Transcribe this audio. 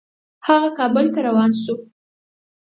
هغه کابل ته روان شو.